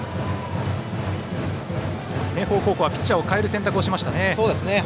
明豊はピッチャーを代える選択をしましたね。